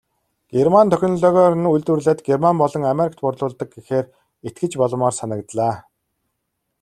Герман технологиор нь үйлдвэрлээд Герман болон Америкт борлуулдаг гэхээр итгэж болмоор санагдлаа.